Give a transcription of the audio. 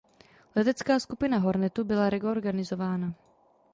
Letecká skupina "Hornetu" byla reorganizována.